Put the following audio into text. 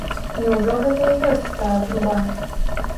Няўжо гэта і ёсць тая труба?